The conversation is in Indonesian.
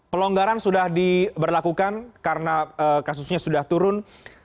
pelonggaran sudah diberlakukan karena kasusnya sudah turun